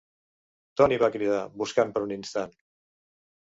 Tony va cridar, buscant per un instant.